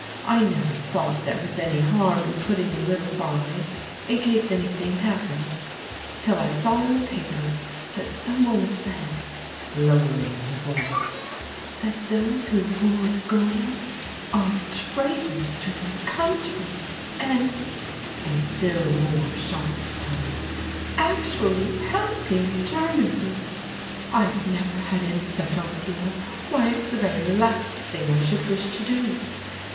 I never thought there was any harm in putting a little by, in case anything happened, till I saw in the papers that someone said" (lowering her voice) "that those who hoard gold are traitors to their country, and" (in a still more shocked tone) "actually helping Germany! I'd never had any such idea! Why, it's the very last thing I should wish to do!